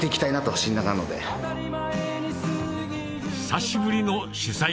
久しぶりの主催